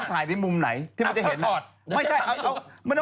กางเกงใส่บ็อกเซอร์แล้วมันห่วงออกมาไง